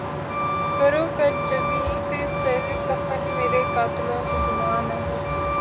کرو کج جبیں پہ سر کفن مرے قاتلوں کو گماں نہ ہو